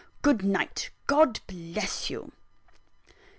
Good night: God bless you!"